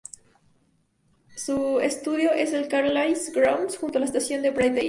Su estadio es el Carlisle Grounds, junto a la estación de Bray Daly.